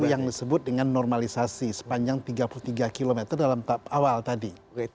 yang disebut dengan normalisasi sepanjang tiga puluh tiga km dalam awal tadi